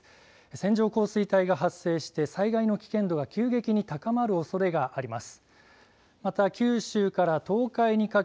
線状降水帯が発生して災害の危険度が急激に高まるおそれがあります。